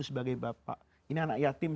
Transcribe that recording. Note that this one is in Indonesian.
sebagai bapak ini anak yatim